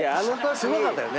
すごかったよね。